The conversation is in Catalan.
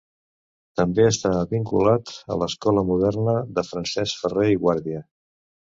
També estava vinculat a l'Escola Moderna de Francesc Ferrer i Guàrdia.